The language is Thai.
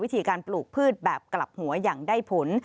วิธีการปลูกพืชแบบกลับหัวอย่างได้ผล